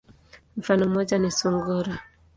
Mfano moja ni sungura.